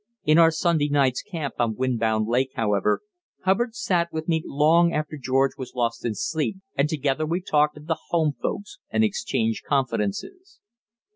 In our Sunday night's camp on Windbound Lake, however, Hubbard sat with me long after George was lost in sleep, and together we talked of the home folks and exchanged confidences.